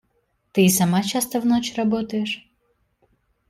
Ты и сама часто в ночь работаешь.